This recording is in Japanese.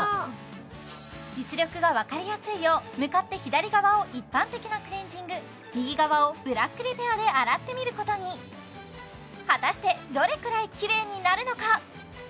実力が分かりやすいよう向かって左側を一般的なクレンジング右側をブラックリペアで洗ってみることに果たしてどれくらいキレイになるのか？